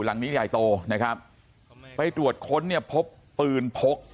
หลังนี้ใหญ่โตนะครับไปตรวจค้นเนี่ยพบปืนพก